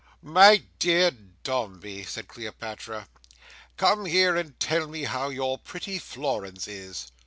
"My dear Dombey," said Cleopatra, "come here and tell me how your pretty Florence is."